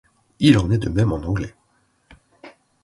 Il en est de même en anglais.